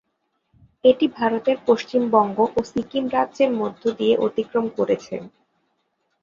এটি ভারতের পশ্চিমবঙ্গ ও সিকিম রাজ্যের মধ্য দিয়ে অতিক্রম করেছে।